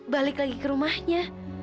balik lagi ke rumahnya